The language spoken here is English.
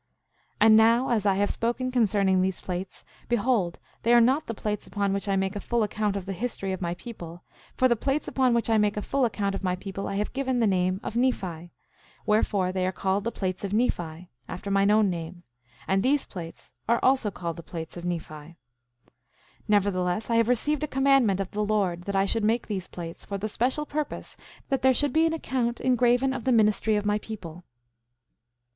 9:2 And now, as I have spoken concerning these plates, behold they are not the plates upon which I make a full account of the history of my people; for the plates upon which I make a full account of my people I have given the name of Nephi; wherefore, they are called the plates of Nephi, after mine own name; and these plates also are called the plates of Nephi. 9:3 Nevertheless, I have received a commandment of the Lord that I should make these plates, for the special purpose that there should be an account engraven of the ministry of my people.